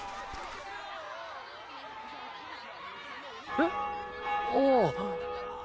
えっあぁ。